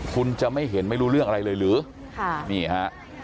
คุณจะไม่เห็นไม่รู้เรื่องอะไรเลยหรือค่ะนี่ฮะ